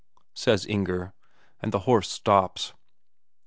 says Inger, and the horse stops.